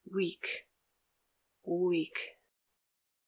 Weak! Weak!